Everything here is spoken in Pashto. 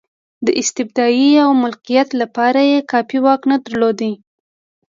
د استبداد او مطلقیت لپاره یې کافي واک نه درلود.